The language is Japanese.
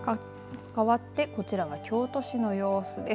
かわってこちらは京都市の様子です。